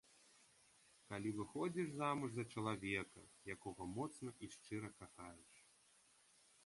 Калі выходзіш замуж за чалавека, якога моцна і шчыра кахаеш!